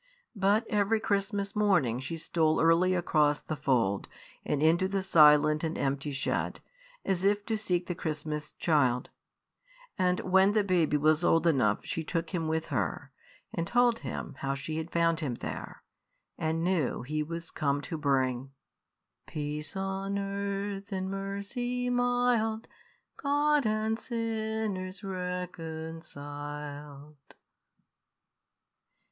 But every Christmas morning she stole early across the fold, and into the silent and empty shed, as if to seek the Christmas child; and when the baby was old enough she took him with her, and told him how she had found him there, and knew he was come to bring Peace on earth and mercy mild, God and sinners reconciled.